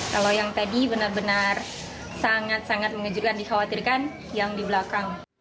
kalau yang tadi benar benar sangat sangat mengejutkan dikhawatirkan yang di belakang